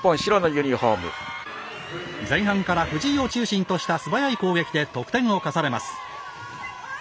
前半から藤井を中心とした素早い攻撃で得点を重ねます。